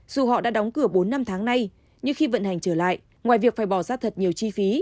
dù họ đã đóng cửa bốn năm tháng nay nhưng khi vận hành trở lại ngoài việc phải bỏ ra thật nhiều chi phí